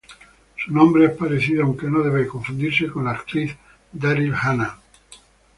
Su nombre es parecido, aunque no debe confundirse con la actriz Daryl Hannah.